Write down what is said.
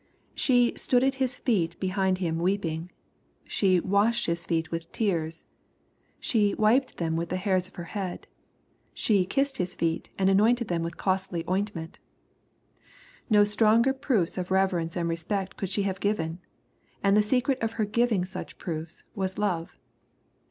She "stood at His feet behind Him weeping/\ She " washed His feet with tears/' She ^^ wiped them with the hairs of her head/' She ^^ kissed His feet, and anointed them with costly ointment/' No stronger proofs of reverence and respect could she have given, and the secret of her giving such proofs, was love.